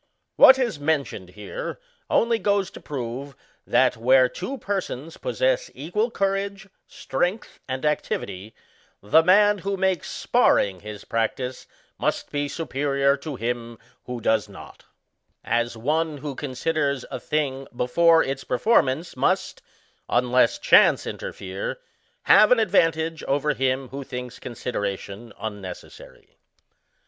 What is mentioned here only goes to prove that, where two persons possess equal courage, strength, and activity, the man who makes sparring his practice must be superior to him who does not; as one who considers a thing be VOL. II. c Digitized by VjOOQIC 18 boxiana; or, fore its performance must, unless chance interferes, have an advantage over him who thinks consideration unnecessary.